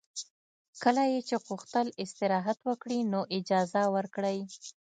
کله یې چې غوښتل استراحت وکړي نو اجازه ورکړئ